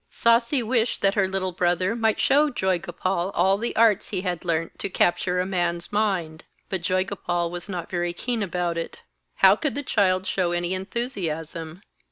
Sasi wished that her little brother might show Joygopal all the arts he had learnt to capture a man's mind. But Joygopal was not very keen about it. How could the child show any enthusiasm?